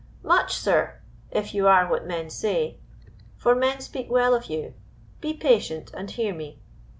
"Much, sir, if you are what men say; for men speak well of you; be patient, and hear me.